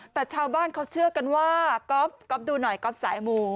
แต่ชาวบ้านเขาเชื่อกันว่าก๊อฟดูหน่อยก๊อฟสายหมู่